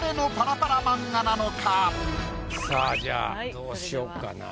さぁじゃあどうしようかな。